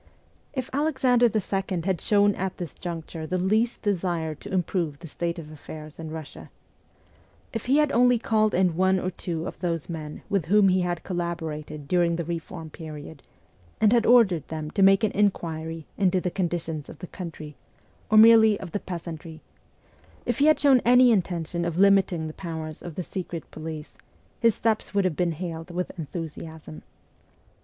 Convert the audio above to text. If Alexander II. had shown at this juncture the least desire to improve the state of affairs in Russia ; if he had only called in one or two of those men with whom he had collaborated during the reform period, and had ordered them to make an inquiry into the conditions of the country, or merely of the peasantry ; if he had shown any intention of limiting the powers of the secret police, his steps would have been hailed with enthusiasm.